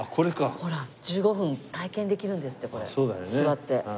ほら１５分体験できるんですってこれ座って。